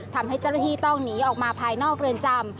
ทำให้เจ้าหน้าที่ต้องหนีออกมาภายนอกเรือนจำ